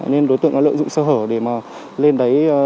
nên đối tượng đã lợi dụng sơ hở để mà lên đấy